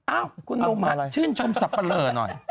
อะคุณนุมาดชื่นชมสับเบลอหน่อย